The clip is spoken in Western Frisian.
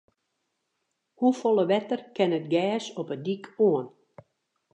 Hoefolle wetter kin it gers op de dyk oan?